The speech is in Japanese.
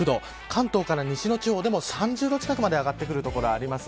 関東から西の地方でも３０度近くまで上がってくる所があります。